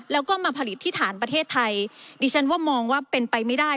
แล้วก็มาผลิตที่ฐานประเทศไทยดิฉันว่ามองว่าเป็นไปไม่ได้